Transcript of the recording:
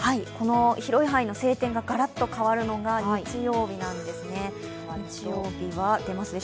広い範囲の晴天がガラッと変わるのが日曜日なんですね。